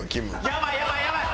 やばいやばいやばい！